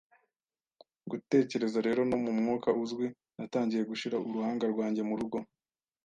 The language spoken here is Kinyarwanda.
Gutekereza rero, no mu mwuka uzwi, natangiye gushira uruhanga rwanjye murugo